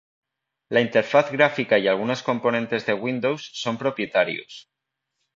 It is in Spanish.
La interfaz gráfica y algunos componentes de Windows son propietarios.